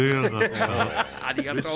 ありがとう！